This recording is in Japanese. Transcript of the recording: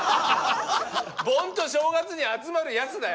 盆と正月に集まるやつだよ。